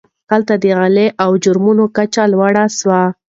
هلته د غلا او جرمونو کچه لوړه سوه.